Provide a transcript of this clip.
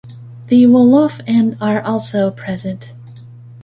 The Wolof and are also present.